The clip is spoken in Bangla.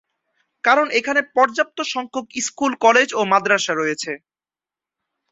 কারণ এখানে পর্যাপ্ত সংখ্যক স্কুল, কলেজ ও মাদ্রাসা রয়েছে।